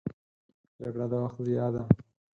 جګړه د وخت ضیاع ده